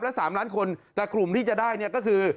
ละ๓ล้านคนแต่กลุ่มที่จะได้เนี่ยก็คือ